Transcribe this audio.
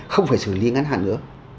không phải xử lý ngắn hạn nữa